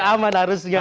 masih aman harusnya